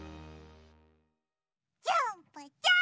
ジャンプジャーンプ！